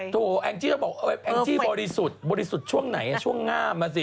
แองจี้ก็บอกแองจี้บริสุทธิ์บริสุทธิ์ช่วงไหนช่วงหน้ามาสิ